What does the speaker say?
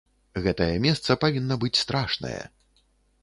Гэтае месца павінна быць страшнае.